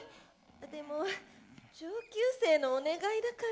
でも上級生のお願いだから。